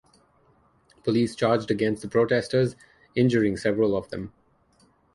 Police charged against the protestors, injuring several of them.